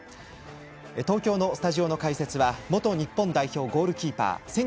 東京のスタジオの解説は元日本代表ゴールキーパー